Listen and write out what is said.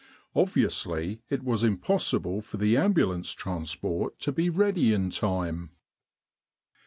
Obviously it was impossible for the Ambul ance Transport to be ready in time.